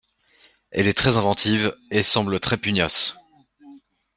elle est très inventive et semble très pugnace.